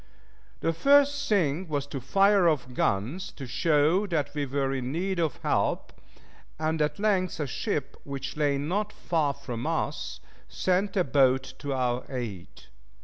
The first thing was to fire off guns, to show that we were in need of help, and at length a ship, which lay not far from us, sent a boat to our aid.